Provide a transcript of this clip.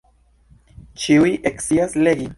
Ĉiu scias legi.